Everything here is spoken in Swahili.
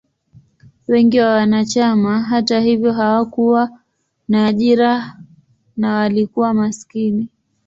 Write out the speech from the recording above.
Wengi wa wanachama, hata hivyo, hawakuwa na ajira na walikuwa maskini.